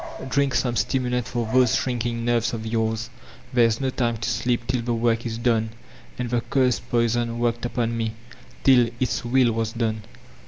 Drink some stimulant for those shrinking nerves of yours ! There is no time to sleep till the work is done." And the cursed poison worked upon me, till Its will was done.